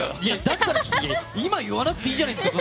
今言わなくてもいいじゃないですか。